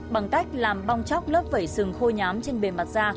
bằng cách làm bong chóc lớp vẩy sừng khô nhám trên bề mặt da